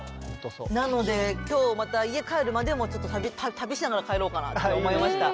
なので今日また家帰るまでもちょっと旅しながら帰ろうかなと思いました。